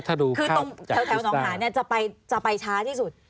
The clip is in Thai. ถ้าดูภาพจากทิสตาร์จะไปช้าที่สุด